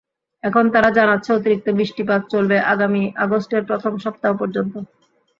এখন তারা জানাচ্ছে, অতিরিক্ত বৃষ্টিপাত চলবে আগামী আগস্টের প্রথম সপ্তাহ পর্যন্ত।